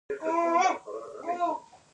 استاد بينوا د ټولنې ستونزي درک کړی وي.